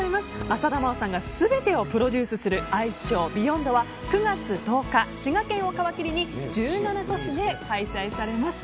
浅田真央さんが全てをプロデュースするアイスショー「ＢＥＹＯＮＤ」は９月１０日滋賀県を皮切りに１７都市で開催されます。